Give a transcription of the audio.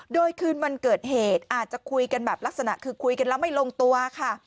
โดยคืนวันเกิดเหตุอาจจะคุยกันแบบลักษณะคือคุยกันแล้วไม่ลงตัวค่ะ